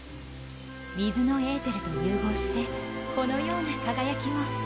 水のエーテルと融合してこのような輝きを。